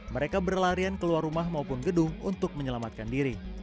mereka berlarian keluar rumah maupun gedung untuk menyelamatkan diri